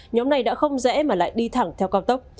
nhóm này đã không rẽ mà lại đi thẳng theo cao tốc